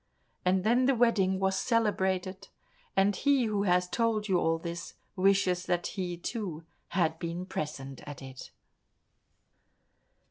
And then the wedding was celebrated, and he who has told you all this, wishes that he, too, had been present at it.